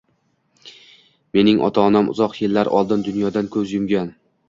Mening ota-onam uzoq yillar oldin dunyodan koʻz yumgan